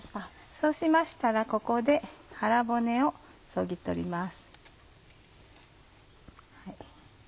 そうしましたらここで腹骨をそぎ取ります。